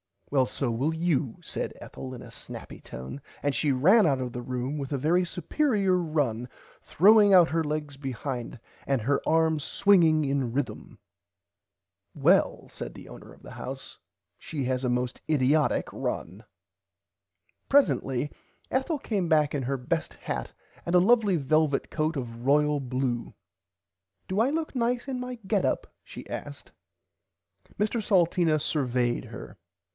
Well so will you said Ethel in a snappy tone and she ran out of the room with a very superier run throwing out her legs behind and her arms swinging in rithum. [Pg 28] Well said the owner of the house she has a most idiotick run. Presently Ethel came back in her best hat and a lovly velvit coat of royal blue. Do I look nice in my get up she asked. Mr Salteena survayed her.